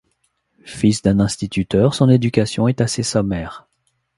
Fils d'un instituteur, son éducation est assez sommaire.